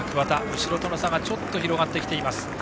後ろとの差がちょっと広がってきています。